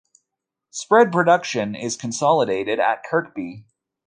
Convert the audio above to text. Spread production is consolidated at Kirkby.